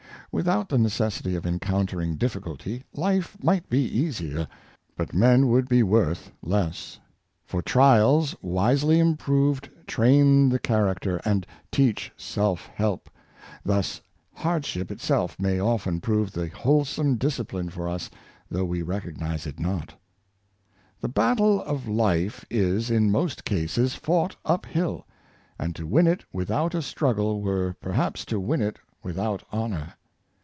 Without the neces sity of encountering difficulty, life might be easier, but men would be worth less. For trials, wisely improved. The School of Difficulty the Best School, 813 tralti the charac ter, and teach self help; thus hardship itself may often prove the wholesomest discipline for us, though we recognize it not. The battle of life is, in most cases, fought up hill; and to win it without a struggle were perhaps to win it without honor.